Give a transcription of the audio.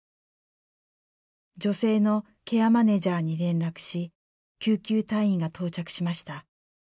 女性のケアマネジャーに連絡し救急隊員が到着しました。